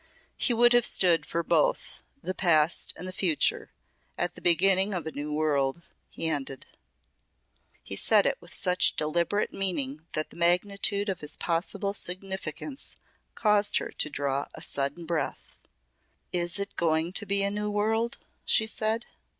"He would have stood for both the past and the future at the beginning of a New World," he ended. He said it with such deliberate meaning that the magnitude of his possible significance caused her to draw a sudden breath. "Is it going to be a New World?" she said.